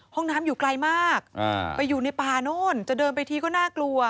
ห้องน้ำอยู่ไกลมากไปอยู่ในป่าโน่นจะเดินไปทีก็น่ากลัว